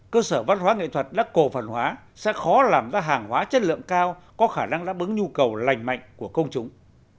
cơ sở văn hóa nghệ thuật đã cổ phần hóa sẽ khó làm ra hàng hóa chất lượng cao có khả năng đáp ứng nhu cầu lành mạnh của công chúng